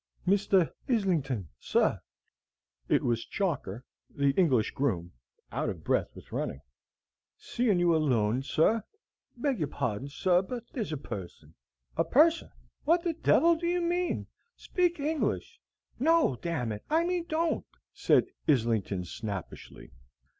"Mister Hislington, sir!" It was Chalker, the English groom, out of breath with running. "Seein' you alone, sir, beg your pardon, sir, but there's a person " "A person! what the devil do you mean? Speak English no, damn it, I mean don't," said Islington, snappishly.